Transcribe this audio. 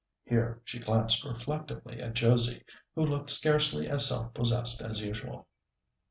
Here she glanced reflectively at Josie, who looked scarcely as self possessed as usual.